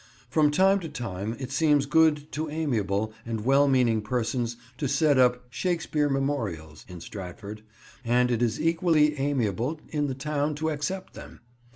From time to time it seems good to amiable and well meaning persons to set up "Shakespeare memorials" in Stratford, and it is equally amiable in the town to accept them.